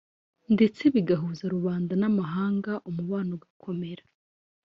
ndetse bigahuza rubanda n’amahanga umubano ugakomera